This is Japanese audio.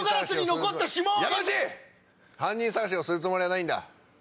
犯人捜しをするつもりはないんだ。